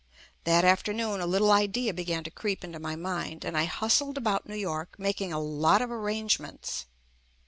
That afternoon a little idea began to creep into my mind, and I hustled about New York making a lot of arrangements.